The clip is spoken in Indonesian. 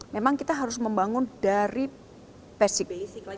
memang kita harus membangun dari basic